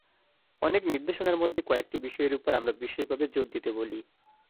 অনেক নির্দেশনার মধ্যে কয়েকটি বিষয়ের ওপর আমরা বিশেষভাবে জোর দিতে বলি।